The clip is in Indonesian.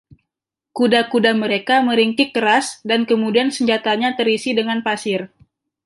Kuda-kuda mereka meringkik keras, dan semua senjatanya terisi dengan pasir.